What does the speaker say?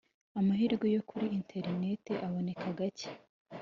amahirwe yo kuri interineti aboneka gake